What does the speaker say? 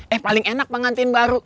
eh paling enak pengantin baru